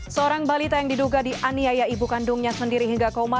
seorang balita yang diduga dianiaya ibu kandungnya sendiri hingga koma